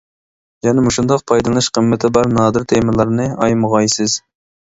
يەنە مۇشۇنداق پايدىلىنىش قىممىتى بار نادىر تېمىلارنى ئايىمىغايسىز!